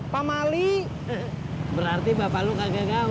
pamali berarti bapak lu kagak gaul